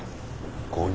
５人。